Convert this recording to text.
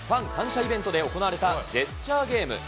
イベントで行われたジェスチャーゲーム。